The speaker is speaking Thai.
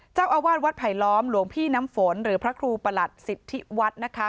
เจ้าอาวาสวัดไผลล้อมหลวงพี่น้ำฝนหรือพระครูประหลัดสิทธิวัฒน์นะคะ